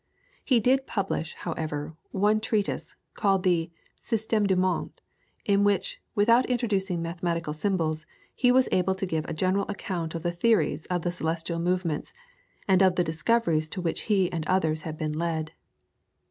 He did publish, however, one treatise, called the "Systeme du Monde," in which, without introducing mathematical symbols, he was able to give a general account of the theories of the celestial movements, and of the discoveries to which he and others had been led.